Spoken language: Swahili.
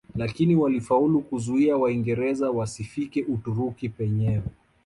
Lakini walifaulu kuzuia Waingereza wasifike Uturuki penyewe